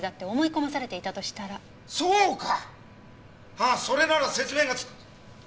ああそれなら説明がつく。